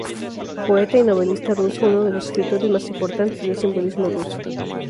Poeta y novelista ruso, uno de los escritores más importantes del Simbolismo ruso.